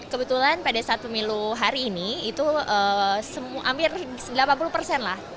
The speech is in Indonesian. kebetulan pada saat pemilu hari ini itu hampir delapan puluh persen lah